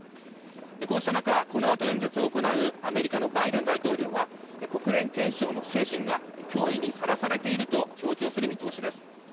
こうした中、このあと演説を行うアメリカのバイデン大統領は国連憲章の精神が脅威にさらされていると強調する見通しです。